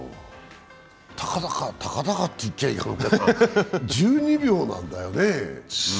たかだかと言っちゃいかんけど１２秒なんだよね。